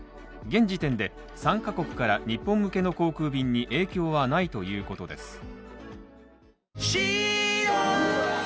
現時点で３カ国から日本向けの航空便に影響はないということです。